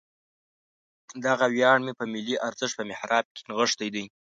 دغه ویاړ مې په ملي ارزښت په محراب کې نغښتی دی.